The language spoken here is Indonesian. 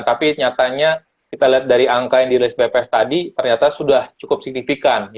tapi nyatanya kita lihat dari angka yang dirilis bps tadi ternyata sudah cukup signifikan